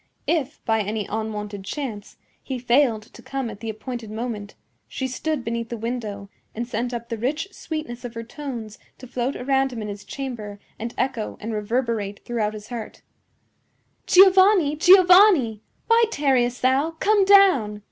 If, by any unwonted chance, he failed to come at the appointed moment, she stood beneath the window and sent up the rich sweetness of her tones to float around him in his chamber and echo and reverberate throughout his heart: "Giovanni! Giovanni! Why tarriest thou? Come down!"